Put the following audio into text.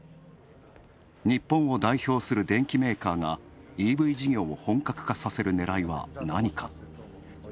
日本を代表する電機メーカーがＥＶ事業を本格化させる狙いは何か。